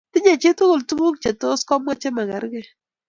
Tinyei chii tugul tuguk chetos komwa chemgergei